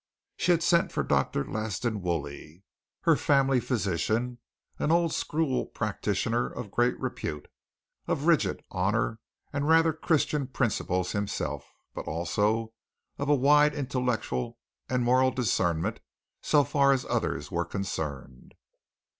She had sent for Dr. Latson Woolley, her family physician an old school practitioner of great repute, of rigid honor and rather Christian principles himself, but also of a wide intellectual and moral discernment, so far as others were concerned.